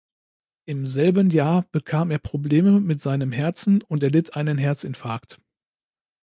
Im selben Jahr bekam er Probleme mit seinem Herzen und erlitt einen Herzinfarkt.